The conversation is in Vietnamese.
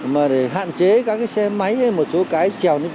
mà để hạn chế các cái xe máy hay một số cái